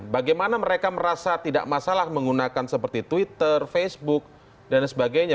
bagaimana mereka merasa tidak masalah menggunakan seperti twitter facebook dan sebagainya